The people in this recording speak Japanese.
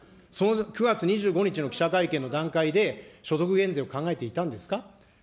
９月２５日の記者会見の段階で、所得減税を考えていたんですか。